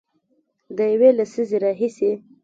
د یوې لسیزې راهیسې